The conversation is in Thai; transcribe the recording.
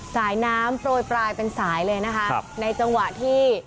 สายน้ำโปรยปลายเป็นสายเลยนะคะครับในจังหวะที่